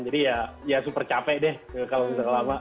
jadi ya super capek deh kalau bisa lama